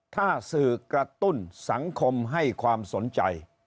ถ้าสื่อกระตุ้นสังคมให้ความสนใจ